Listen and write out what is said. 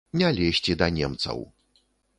Не лезці да немцаў.